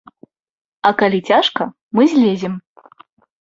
А калі цяжка, мы злезем.